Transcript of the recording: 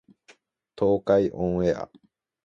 東海オンエア